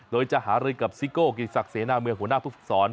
โดยจะหารือกับซิโก้กิติศักดิ์เสนาเมืองหัวหน้าผู้ฝึกศร